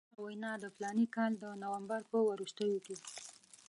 هغه وینا د فلاني کال د نومبر په وروستیو کې.